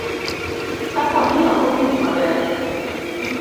kapo ni ok owinji maber.